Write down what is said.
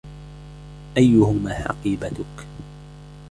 أيهما حقيبتك ؟